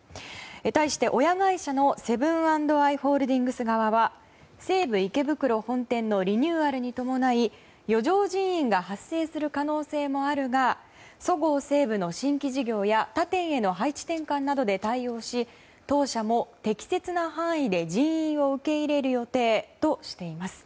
対して親会社のセブン＆アイ・ホールディングス側は西武池袋本店のリニューアルに伴い余剰人員が発生する可能性もあるがそごう・西武の新規事業や他店への配置転換などで対応し当社も適切な範囲で人員を受け入れる予定としています。